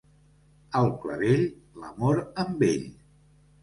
Al clavell, l'amor amb ell.